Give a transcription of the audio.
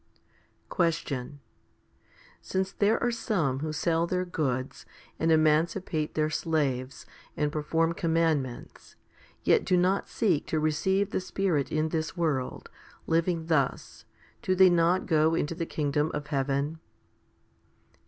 3. Question. Since there are some who sell their goods, and emancipate their slaves, and perform commandments, yet do not seek to receive the Spirit in this world, living thus, do they not go into the kingdom of heaven